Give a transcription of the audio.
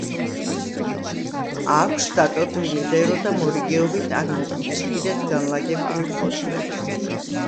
აქვს დატოტვილი ღერო და მორიგეობით ან მოპირისპირედ განლაგებული ფოთლები.